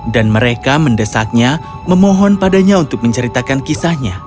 dan mereka mendesaknya memohon padanya untuk menceritakan kisahnya